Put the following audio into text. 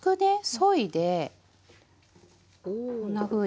そいでこんなふうに。